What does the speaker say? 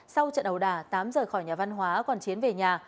sau trận ẩu đà tám rời khỏi nhà văn hóa còn chiến về nhà